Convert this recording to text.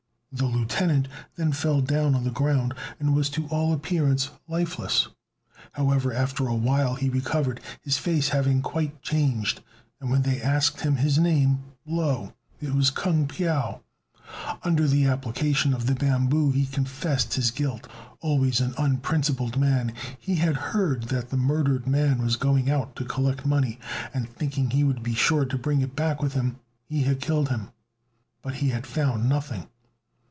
The lieutenant then fell down on the ground, and was to all appearance lifeless; however, after a while he recovered, his face having quite changed, and when they asked him his name, lo! it was Kung Piao. Under the application of the bamboo he confessed his guilt. Always an unprincipled man, he had heard that the murdered man was going out to collect money, and thinking he would be sure to bring it back with him, he had killed him, but had found nothing.